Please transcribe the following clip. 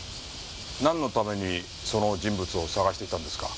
なんのためにその人物を捜していたんですか？